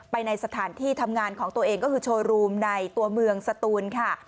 ในสถานที่ทำงานของตัวเองก็คือโชว์รูมในตัวเมืองสตูนค่ะ